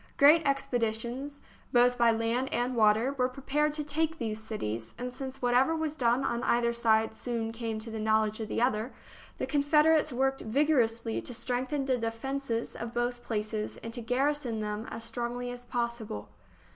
Great expeditions, both by land and water, were prepared to take these cities, and since what ever was done on either side soon came to the knowl edge of the other, the Confederates worked vigor ously to strengthen the defences of both places and THE SIEGE OF VICKSBURG to garrison them as strongly as possible.